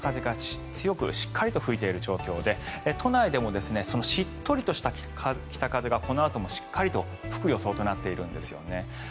ですが、沿岸部を中心に北風が強くしっかりと吹いている状況で都内でもしっとりとした北風がこのあともしっかり吹く予想となっているんですね。